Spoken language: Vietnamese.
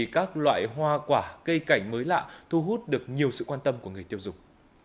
các loại hoa quả cây cảnh mới lạ thu hút được nhiều sự quan tâm của người tiêu dùng